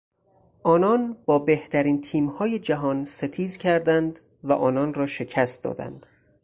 آنان با بهترین تیمهای جهان ستیز کردند و آنان را شکست دادند.